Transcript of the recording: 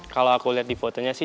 kalau aku lihat di fotonya sih